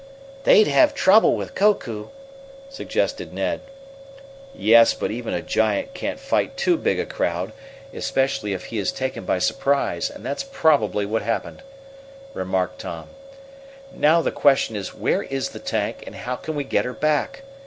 "They'd have trouble with Koku," suggested Ned. "Yes, but even a giant can't fight too big a crowd, especially if he is taken by surprise, and that's probably what happened," remarked Tom. "Now the question is where is the tank, and how can we get her back?